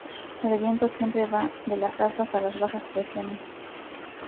El viento siempre va de las altas a las bajas presiones.